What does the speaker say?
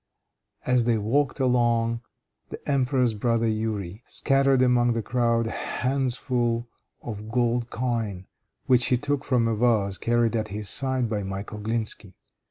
As they walked along, the emperor's brother, Youri, scattered among the crowd handsfull of gold coin, which he took from a vase carried at his side by Michel Glinsky.